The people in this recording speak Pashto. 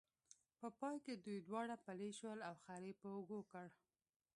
په پای کې دوی دواړه پلي شول او خر یې په اوږو کړ.